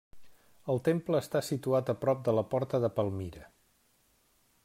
El temple està situat a prop de la Porta de Palmira.